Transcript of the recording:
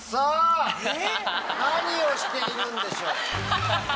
何をしているんでしょう？